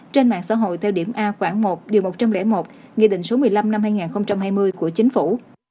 trên mạng xã hội theo điểm a khoảng một điều một trăm linh một nghị định số một mươi năm năm hai nghìn hai mươi của chính phủ